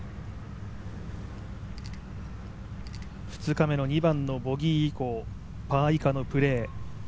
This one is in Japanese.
２日目の２番のボギー以降パー以下のプレー